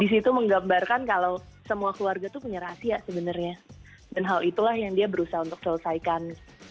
di situ menggambarkan kalau semua keluarga tuh punya rahasia sebenarnya dan hal itulah yang dia berusaha untuk selesaikan